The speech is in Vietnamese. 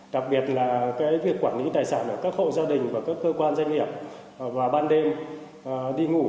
đặc biệt là cái việc quản lý tài sản ở các hộ gia đình và các cơ quan doanh nghiệp vào ban đêm đi ngủ